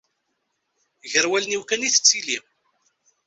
Gar wallen-iw kan i tettili.